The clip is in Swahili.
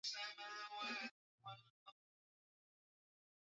Mapenzi yanaumiza, ndio maana siyawezi